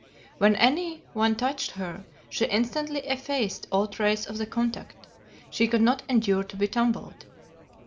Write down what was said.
When any one touched her, she instantly effaced all trace of the contact; she could not endure to be tumbled.